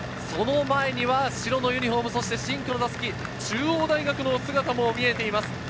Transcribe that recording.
その前に白のユニホーム、そして深紅の襷、中央大学の姿が見えています。